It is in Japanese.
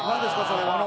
それは。